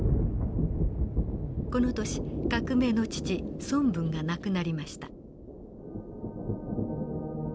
この年革命の父孫文が亡くなりました。